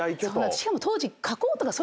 しかも当時。